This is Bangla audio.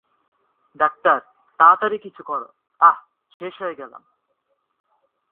ডাক্তার, তাড়াতাড়ি কিছু করো! আহ্, শেষ হয়ে গেলাম!